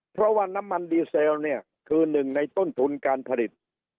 เพราะว่าน้ำมันดีเซลเนี่ยคือหนึ่งในต้นทุนการผลิต